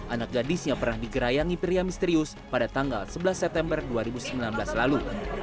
anak gadisnya pernah digerayangi pria misterius pada tanggal sebelas september dua ribu sembilan belas lalu